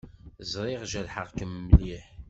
Ẓriɣ jerḥeɣ-kem mliḥ.